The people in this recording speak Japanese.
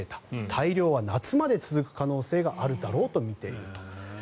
大漁は夏まで続く可能性があるだろうとみていると。